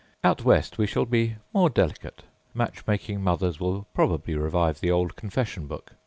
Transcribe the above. Out West we shall be more delicate. Match making mothers will probably revive the old confession book.